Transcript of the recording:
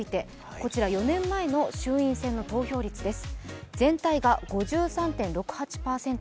こちら４年前の衆院選の投票率です。